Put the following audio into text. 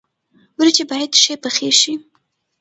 ورجې باید ښې پخې شي.